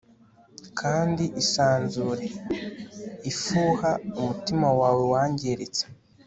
Kandi isanzure ifuha umutima wawe wangiritse